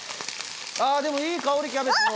でもいい香りキャベツの。